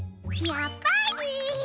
やっぱり！